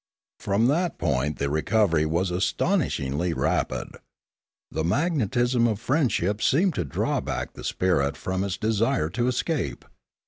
From that point the recovery was astonishingly rapid. The mag netism of friendship seemed to draw back the spirit from its desire to escape.